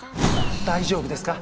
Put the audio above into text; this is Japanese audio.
大丈夫ですか？